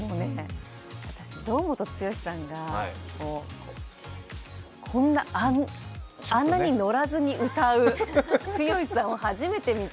堂本剛さんが、あんなにのらずに歌う、剛さんを初めて見て。